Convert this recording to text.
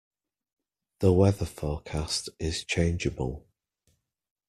The weather forecast is changeable.